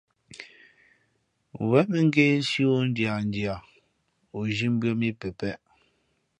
Wěn mᾱ ngēsī o ndiandia o zhī mbʉ̄ᾱ mǐ pəpēʼ.